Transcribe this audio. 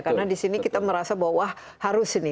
karena di sini kita merasa bahwa harus ini